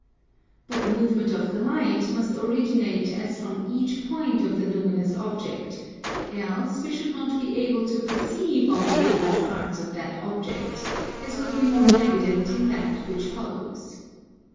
But the movement of the Light must originate as from each point of the luminous object, else we should not be able to perceive all the different parts of that object, as will be more evident in that which follows.